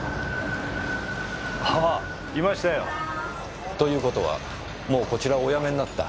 あぁいましたよ。ということはもうこちらをお辞めになった？